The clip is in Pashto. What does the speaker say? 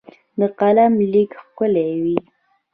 د قلم لیک ښکلی وي.